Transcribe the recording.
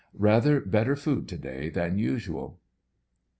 Rather better food to day than usual.